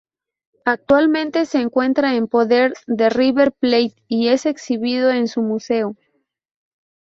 Actualmente, se encuentra en poder de River Plate y es exhibido en su museo.